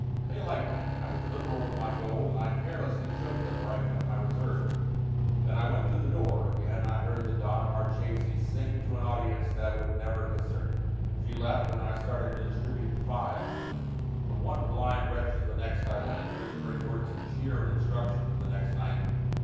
They liked me. I was liberal with my gold, and I carelessly showed them where I kept my reserve. Then I went through the door. Again I heard the Donna Marchesi sing to an audience that would never hiss her. She left, and I started to distribute the files. From one blind wretch to the next I went, whispering words of cheer and instruction for the next night.